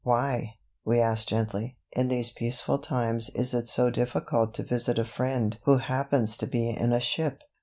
Why, we asked gently, in these peaceful times is it so difficult to visit a friend who happens to be in a ship?